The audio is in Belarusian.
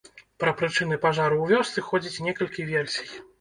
Пра прычыны пажару ў вёсцы ходзіць некалькі версій.